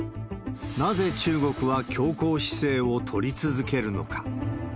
なぜ中国は強硬姿勢を取り続けるのか。